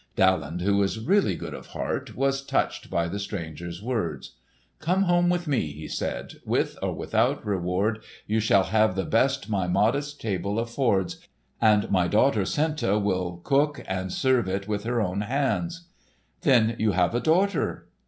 Daland who was really good of heart was touched by the stranger's words. "Come home with me," he said. "With or without reward you shall have the best my modest table affords, and my daughter Senta shall cook and serve it with her own hands." "Then you have a daughter?"